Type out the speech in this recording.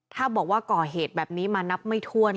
ถ้าบอกว่าก่อเหตุแบบนี้มานับไม่ทั่ว